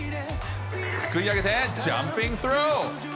すくい上げて、ジャンピングスルー。